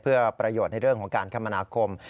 เพื่อประโยชน์ในเรื่องของการคมนาคม